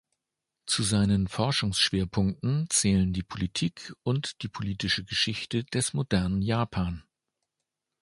Zu seinen Forschungsschwerpunkten zählen die Politik und politische Geschichte des modernen Japan.